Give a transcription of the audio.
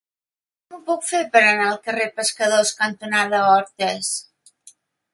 Com ho puc fer per anar al carrer Pescadors cantonada Hortes?